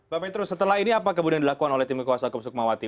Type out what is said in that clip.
pak petro setelah ini apa kemudian dilakukan oleh tim kekuasaan keputusan kumawati